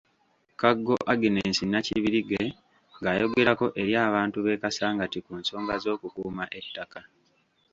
Kaggo Agnes Nakibirige ng'ayogerako eri abantu b'e Kasangati ku nsonga z'okukuuma ettaka.